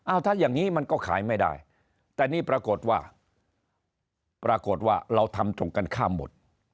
เอาถ้าอย่างนี้มันก็ขายไม่ได้แต่นี่ปรากฏว่าปรากฏว่าเราทำตรงกันข้ามหมด